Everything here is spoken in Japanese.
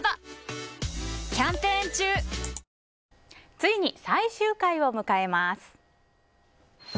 ついに最終回を迎えます。